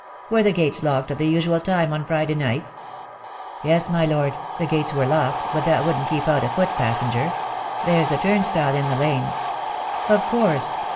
"Were the gates locked at the usual time on Friday night?" "Yes, my Lord — the gates were locked, but that wouldn't keep out a foot passenger. There's the turnstile in the lane." "Of course.